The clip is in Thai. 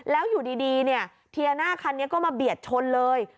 แล้วอยู่ดีเนี่ยเทียน่าคันนี้ก็มาเบียดชนเลย